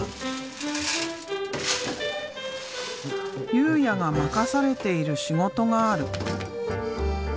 佑哉が任されている仕事がある。